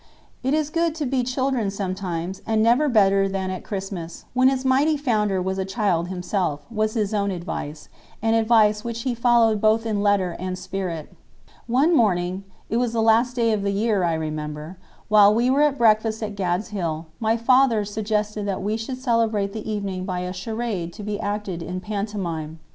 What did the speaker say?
"It is good to be children sometimes, and never better than at Christmas, when its Mighty Founder was a child himself," was his own advice, and advice which he followed both in letter and spirit. One morning—it was the last day of the year, I remember—while we were at breakfast at "Gad's Hill," my father suggested that we should celebrate the evening by a charade to be acted in pantomime.